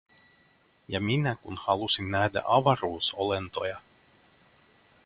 Ja minä kun halusin nähdä avaruusolentoja!